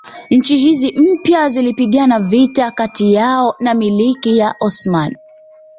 Nchi hizi mpya zilipigana kivita kati yao na Milki ya Osmani